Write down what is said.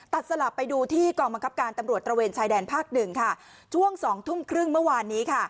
ตัดสลับไปดูที่กองบังคับการตำรวจตระเวนชายแดนภาค๑ช่วง๒ทุ่มครึ่งเมื่อวานนี้